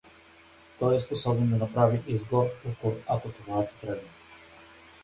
Той е способен да направи и строг укор, ако това е потребно.